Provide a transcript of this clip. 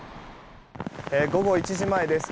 午後１時前です。